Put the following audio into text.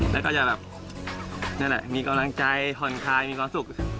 และจะมีกำลังใจธนไทยมีความสุข